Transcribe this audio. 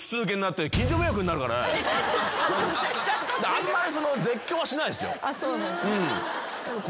あんまり。